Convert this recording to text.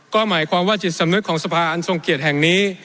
ก็หมายความว่าจิตสำนึกของสภาอันทรงเกียรติแห่งนี้